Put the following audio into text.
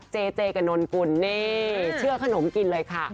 เจเจกับนนกุลนี่เชื่อขนมกินเลยค่ะ